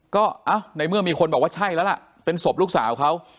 ก็ในเมื่อมีคนบอกว่าใช่แล้วล่ะเป็นศพลูกสาวเขา